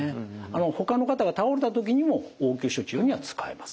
ほかの方が倒れた時にも応急処置用には使えます。